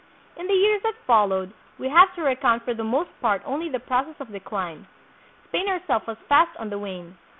In the years that followed we have to recount for the most part only the process of decline. Spain her self was fast on the wane.